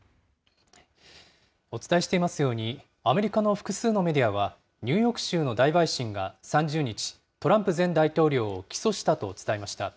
お伝えしていますように、アメリカの複数のメディアは、ニューヨーク州の大陪審が３０日、トランプ前大統領を起訴したと伝えました。